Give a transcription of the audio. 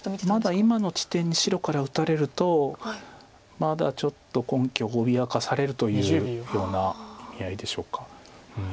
まだ今の地点に白から打たれるとまだちょっと根拠を脅かされるというような意味合いでしょうか。